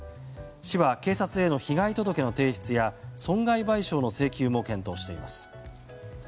市は警察への被害届の提出や損害賠償の請求も検討しています。